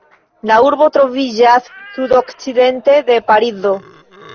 La urbo troviĝas sudokcidente de Parizo.